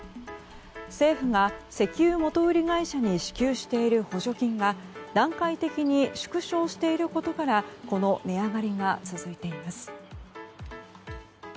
政府が、石油元売り会社に支給している補助金が段階的に縮小していることからこの値上がりが続いています。